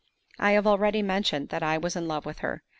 I have already mentioned that I was in love with her.